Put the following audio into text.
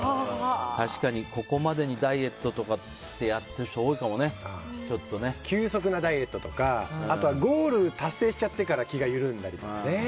確かに、ここまでにダイエットとかって急速なダイエットとかあとはゴール達成しちゃってから気が緩んだりね。